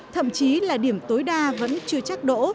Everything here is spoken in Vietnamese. thậm chí là điểm tối đa vẫn chưa chắc đỗ